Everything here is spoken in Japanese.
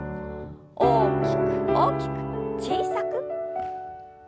大きく大きく小さく。